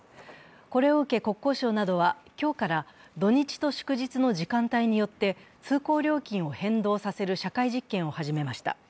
これを受け国交省などは今日から、土日と祝日の時間帯によって通行料金を変動させる社会実験を始めました。